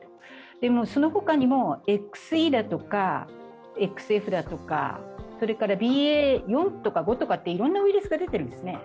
でもそのほかにＸＥとかＸＦとかＢＡ．４とか５とか、いろいろなウイルスが出ているんですね。